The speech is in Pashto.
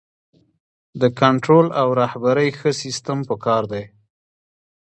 د کنټرول او رهبرۍ ښه سیستم پکار دی.